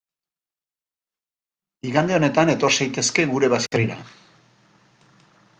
Igande honetan etor zaitezke gure baserrira.